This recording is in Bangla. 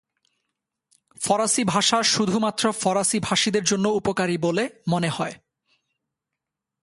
ফরাসি ভাষা শুধুমাত্র ফরাসিভাষীদের জন্য উপকারী বলে মনে হয়।